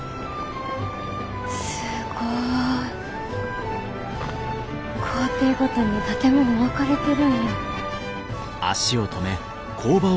すごい。工程ごとに建物分かれてるんや。